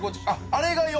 あれが４？